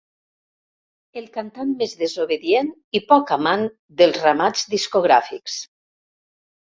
El cantant més desobedient i poc amant dels ramats discogràfics.